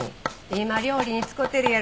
今料理に使てるやろ。